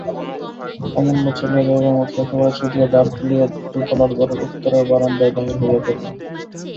অমূল্য চলিয়া যাইবামাত্র একেবারে ছুটিয়া দ্বার খুলিয়া দোতলার ঘরের উত্তরের বারান্দায় বাহির হইয়া পড়িলাম।